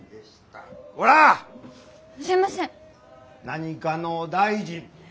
何かの大臣！